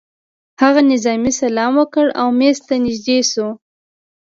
هغه نظامي سلام وکړ او مېز ته نږدې شو